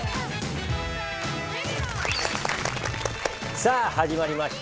さあ始まりました